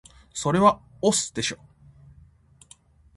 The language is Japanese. それは押忍でしょ